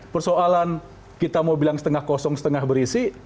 persoalan kita mau bilang setengah kosong setengah berisi